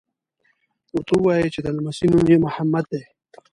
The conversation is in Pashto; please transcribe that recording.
ورته ووایي چې د لمسي نوم یې محمد دی.